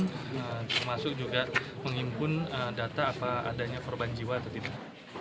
termasuk juga mengimpun data apa adanya perbanjiwa atau tidak